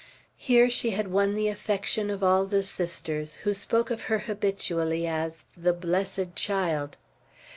Here she had won the affection of all the Sisters, who spoke of her habitually as the "blessed child."